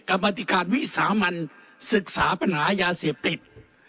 กรรมติการวิสามันศึกษาปัญหายาเสพติด